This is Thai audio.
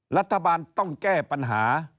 รัฐบาลต้องแก้ปัญหา